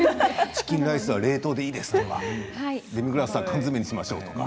チキンライスは冷凍でいいですとかデミグラスは缶詰にしましょうとか。